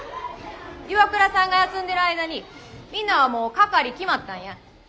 岩倉さんが休んでる間にみんなはもう係決まったんや。